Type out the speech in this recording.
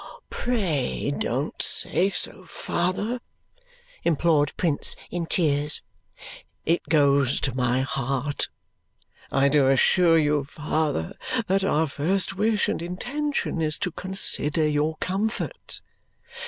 "Pray don't say so, father," implored Prince, in tears. "It goes to my heart. I do assure you, father, that our first wish and intention is to consider your comfort.